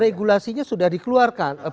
regulasinya sudah dikeluarkan